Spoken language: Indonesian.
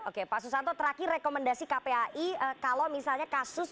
oke pak susanto terakhir rekomendasi kpai kalau misalnya kasus